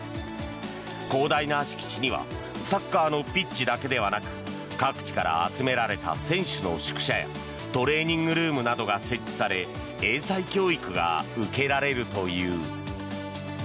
広大な敷地にはサッカーのピッチだけでなく各地から集められた選手の宿舎やトレーニングルームなどが設置され英才教育が受けられるという。